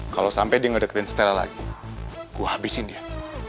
kalau sampe dia ngedeketin stella lagi gue habisin dia